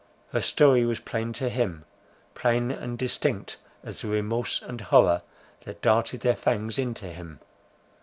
Her story was plain to him, plain and distinct as the remorse and horror that darted their fangs into him.